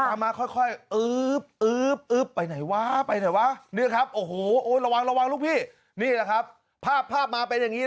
ตีนหมาเลยขอภัยนะมันเป็นประสาทที่